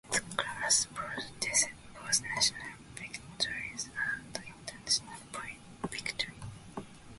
The club has produced both national victories and international victories.